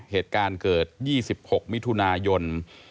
เหตุการณ์เกิด๒๖มิถุนายน